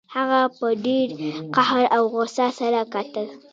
هغه په ډیر قهر او غوسه سره کتل